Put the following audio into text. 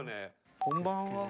こんばんは。